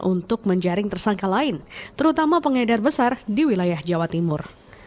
untuk menjaring tersangka lain terutama pengedar besar di wilayah jawa timur